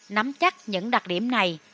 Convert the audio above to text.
nắm chắc những đặc điểm này